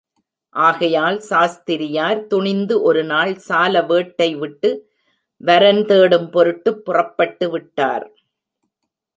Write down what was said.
ஆகையால் சாஸ்திரியார் துணிந்து ஒரு நாள் சாலவேட்டைவிட்டு, வரன் தேடும் பொருட்டுப் புறப்பட்டுவிட்டார்.